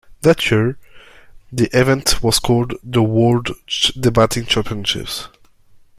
That year, the event was called the World Debating Championships.